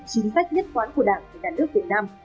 chính sách nhất quán của đảng về đàn nước việt nam